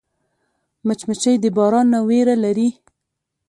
مچمچۍ د باران نه ویره لري